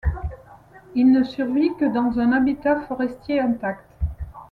Il ne survit que dans un habitat forestier intact.